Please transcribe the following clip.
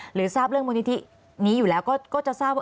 ทราบเรื่องมูลนิธินี้อยู่แล้วก็จะทราบว่า